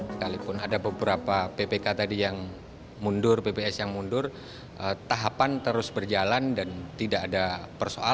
sekalipun ada beberapa ppk tadi yang mundur pps yang mundur tahapan terus berjalan dan tidak ada persoalan